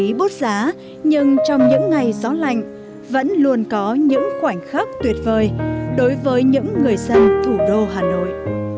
không khí bốt giá nhưng trong những ngày gió lạnh vẫn luôn có những khoảnh khắc tuyệt vời đối với những người dân thủ đô hà nội